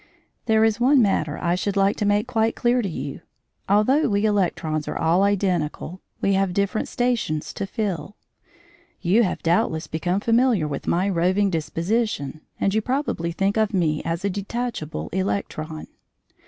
There is one matter I should like to make quite clear to you. Although we electrons are all identical, we have different stations to fill. You have doubtless become familiar with my roving disposition, and you probably think of me as a detachable electron.